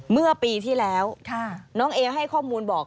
เมื่อปีที่แล้วน้องเอวให้ข้อมูลบอก